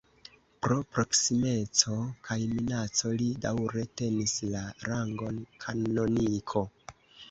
Pro proksimeco kaj minaco li daŭre tenis la rangon kanoniko.